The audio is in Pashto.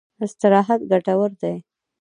استراحت ګټور دی.